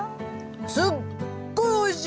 すっごいおいしい！